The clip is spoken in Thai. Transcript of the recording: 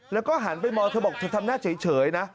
แล้วก็หันไปมองเธอบอกเธอทำหน้าเฉยนะ